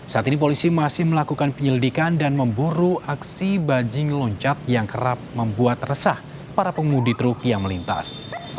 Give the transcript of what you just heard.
saat ini polisi masih melakukan penyelidikan dan memburu aksi bajing loncat yang kerap membuat resah para pengemudi truk yang melintas